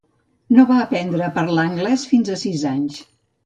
No va aprendre a parlar anglès fins a sis anys.